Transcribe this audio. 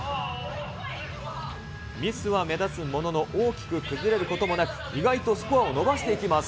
ミスは目立つものの、大きく崩れることもなく、意外とスコアを伸ばしていきます。